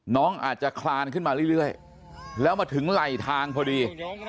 น้องอาจจะคลานขึ้นมาเรื่อยแล้วมาถึงไหลทางพอดี